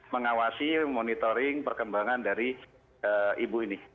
mengawasi monitoring perkembangan dari ibu ini